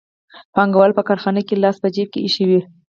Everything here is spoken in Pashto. پانګوال په کارخانه کې لاس په جېب کې ایښی وي